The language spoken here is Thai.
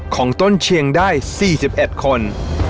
ของต้นเชียงได้๔๑คน